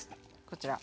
こちら。